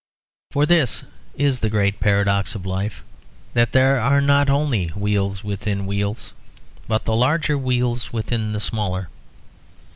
For this is the great paradox of life; that there are not only wheels within wheels, but the larger wheels within the smaller.